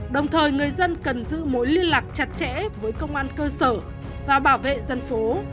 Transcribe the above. đồng thời người dân cần giữ mối liên lạc chặt chẽ với công an cơ sở và bảo vệ dân phố